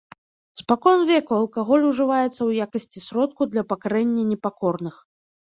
Спакон веку алкаголь ужываецца ў якасці сродку для пакарэння непакорных.